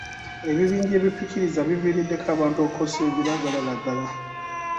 Ebibinja ebipikiriza biviiriddeko abantu okukozesa ebiragalalagala.